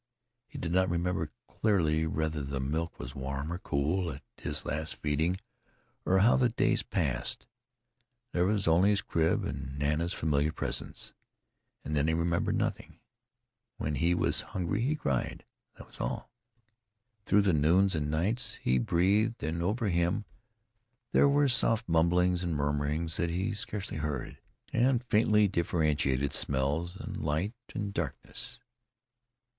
He did not remember clearly whether the milk was warm or cool at his last feeding or how the days passed there was only his crib and Nana's familiar presence. And then he remembered nothing. When he was hungry he cried that was all. Through the noons and nights he breathed and over him there were soft mumblings and murmurings that he scarcely heard, and faintly differentiated smells, and light and darkness.